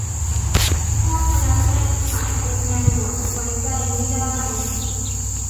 พวกพนักงานขายเป็นเหมือนกันหมด ไว้ใจไม่ได้